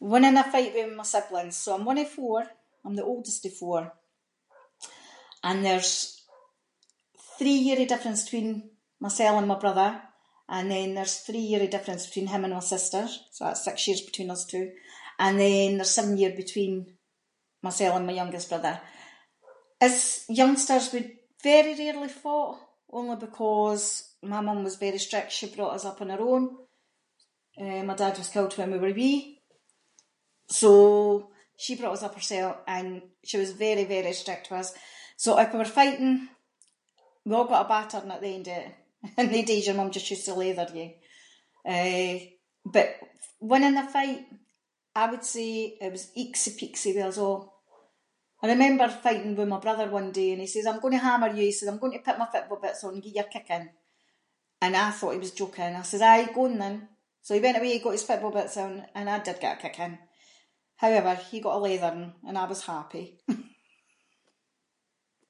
Winning a fight with my siblings. So I’m one of four, I’m the oldest of four, and there’s three year of difference between mysel and my brother, and then there’s three year of difference between him and my sister, so that’s six years between us two, and then there’s seven year between myself and my youngest brother. As youngsters we very rarely fought, only because my mum was very strict, she brought us up on her own, eh my dad was killed when we were wee, so she brought us up hersel and she was very very strict with us, so if we were fighting, we all got a battering at the end of it. In they days, your mum just used to leather you, eh, but winning a fight, I would say it was eaksy-peaksy with us a’. I remember fighting with my brother one day, and he says “I’m going to hammer you” he says “I’m going to put my fitba’ boots on and gie you a kicking” and I thought he was joking, I says “aye go on then” so he went away got his fitba’ boots on and I did get a kicking. However, he got a leathering and I was happy.